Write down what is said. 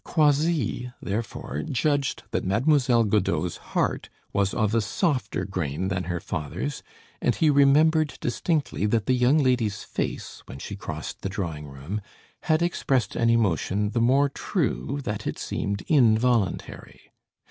Croisilles, therefore, judged that Mademoiselle Godeau's heart was of a softer grain than her father's and he remembered distinctly that the young lady's face, when she crossed the drawing room, had expressed an emotion the more true that it seemed involuntary.